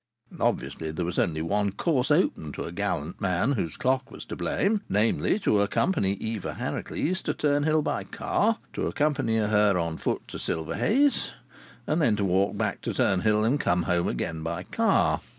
Obviously there was only one course open to a gallant man whose clock was to blame: namely, to accompany Eva Harracles to Turnhill by car, to accompany her on foot to Silverhays, then to walk back to Turnhill and come home again by car.